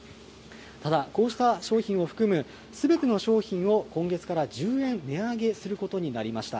ただこうした商品を含む、すべての商品を今月から１０円値上げすることになりました。